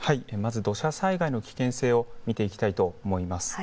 土砂災害の危険性を見ていきたいと思います。